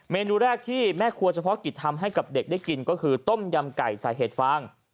เมนูแรกที่แม่ครัวเฉพาะกิจทำให้กับเด็กได้กินก็คือต้มยำไก่ใส่เห็ดฟาง